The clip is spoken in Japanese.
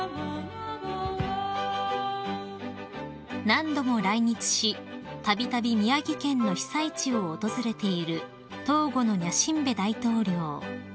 ［何度も来日したびたび宮城県の被災地を訪れているトーゴのニャシンベ大統領］